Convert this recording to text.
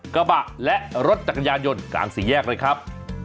กระบะและรถจักรยานยนต์กลางสี่แยกเลยครับ